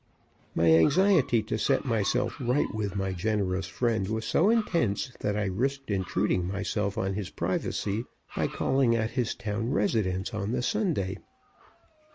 My anxiety to set myself right with my generous friend was so intense that I risked intruding myself on his privacy by calling at his town residence on the Sunday.